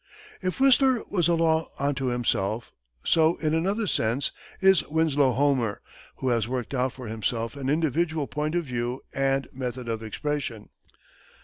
If Whistler was a law unto himself, so, in another sense, is Winslow Homer, who has worked out for himself an individual point of view and method of expression.